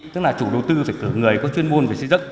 tức là chủ đầu tư phải cử người có chuyên môn về xây dựng